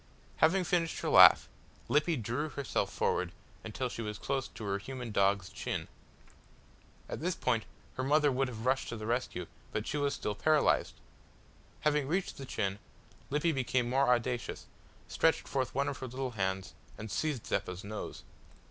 Having finished her laugh, Lippy drew herself forward until she was close to her human dog's chin. At this point her mother would have rushed to the rescue, but she was still paralysed! Having reached the chin Lippy became more audacious, stretched forth one of her little hands, and seized Zeppa's nose.